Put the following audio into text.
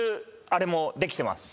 あれもできてます